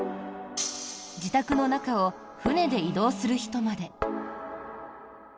自宅の中を船で移動する人まで。